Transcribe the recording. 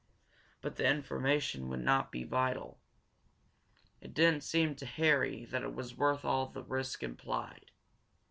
But the information would not be vital, it didn't seem to Harry that it was worth all the risk implied.